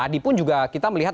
dan tadipun juga kita melihat